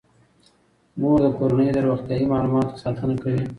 مور د کورنۍ د روغتیايي معلوماتو ساتنه کوي.